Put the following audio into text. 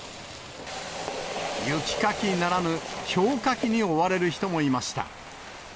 雪かきならぬ、ひょうかきに追われる人もいました。